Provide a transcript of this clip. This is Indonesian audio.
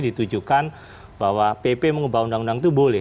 ditujukan bahwa pp mengubah undang undang itu boleh